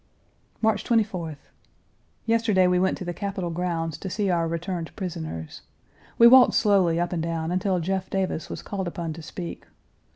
March 24th. Yesterday, we went to the Capitol grounds to see our returned prisoners. We walked slowly up and down until Jeff Davis was called upon to speak.